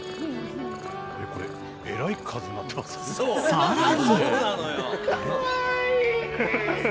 ［さらに］